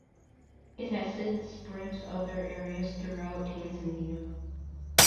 It has since spread to other areas throughout Tanzania.